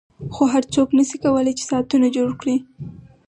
خو هر څوک نشي کولای چې ساعتونه جوړ کړي